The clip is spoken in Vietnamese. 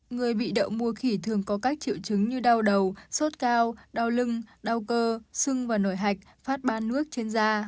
người bị đậu mùa khỉ thường có các triệu chứng như đau đầu sốt cao đau lưng đau cơ sưng và nổi hạch phát ba nước trên da